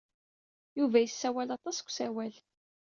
Yuba yessawal aṭas deg usawal.